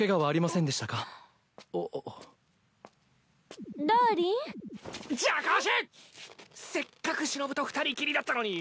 せっかくしのぶと２人きりだったのに。